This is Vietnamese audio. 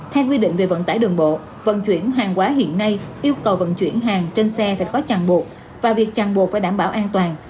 theo quy định về vận tải đường bộ vận chuyển hàng quá hiện nay yêu cầu vận chuyển hàng trên xe phải có chặn buộc và việc chẳng buộc phải đảm bảo an toàn